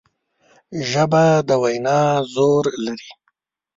ژبه د وینا زور لري